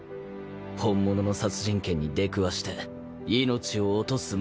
本物の殺人剣に出くわして命を落とす前にな。